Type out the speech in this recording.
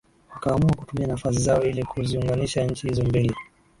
Wakaamua kutumia nafasi zao ili kuziunganisha nchi hizo mbili